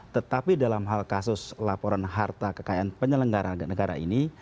tetapi dalam hal kasus laporan harta kekayaan penyelenggara negara ini